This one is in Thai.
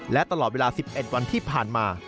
และตลอดเวลา๑๑วันที่ผ่านมา